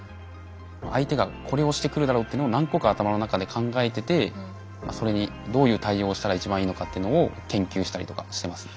相手がこれをしてくるだろうっていうのを何個か頭の中で考えててそれにどういう対応をしたら一番いいのかっていうのを研究したりとかしてますね。